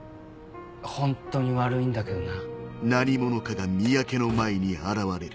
本当に悪いんだけどな。